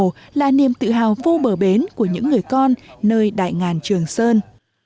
trong tự hào vô bờ bến của những người con nơi đại ngàn trường sơn